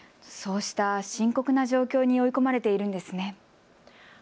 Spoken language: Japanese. そうした深刻な状況に追い込まれているんですね。